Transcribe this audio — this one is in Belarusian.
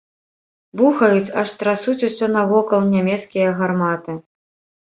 Бухаюць, аж трасуць усё навокал нямецкія гарматы.